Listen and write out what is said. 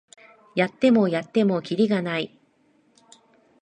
やってもやってもキリがない